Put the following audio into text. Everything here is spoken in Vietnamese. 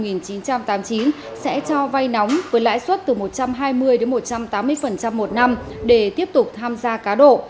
nguyễn văn thống sinh năm một nghìn chín trăm tám mươi chín sẽ cho vai nóng với lãi suất từ một trăm hai mươi đến một trăm tám mươi một năm để tiếp tục tham gia cá độ